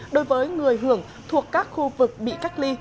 đối với người hưởng thuộc các khu vực bị cách ly